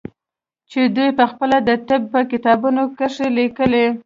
چې دوى پخپله د طب په کتابونو کښې ليکلي.